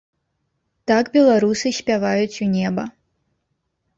Так беларусы спяваюць у неба.